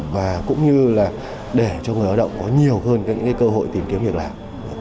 và cũng như là để cho người lao động có nhiều hơn những cơ hội tìm kiếm việc làm